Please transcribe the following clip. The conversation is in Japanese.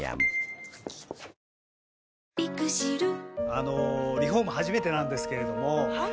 あのリフォーム初めてなんですけれどもはい。